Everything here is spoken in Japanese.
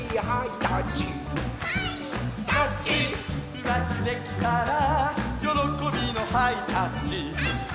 「うまくできたらよろこびのハイタッチ」